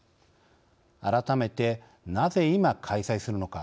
改めてなぜ今開催するのか。